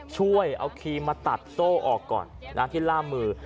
ช่วยเอาครีมมาตัดโซ่ออกก่อนที่ล่ามมือ